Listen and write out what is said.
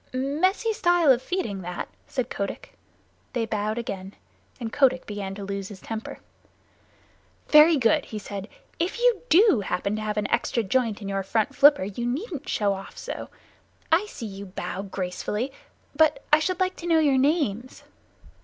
"Messy style of feeding, that," said Kotick. They bowed again, and Kotick began to lose his temper. "Very good," he said. "If you do happen to have an extra joint in your front flipper you needn't show off so. I see you bow gracefully, but I should like to know your names."